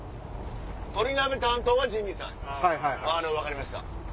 鶏鍋担当はジミーさん分かりました。